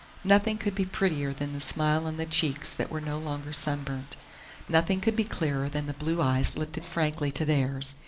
Nothing could be prettier than the smile on the cheeks that were no longer sunburnt; nothing could be clearer than the blue eyes lifted frankly to theirs.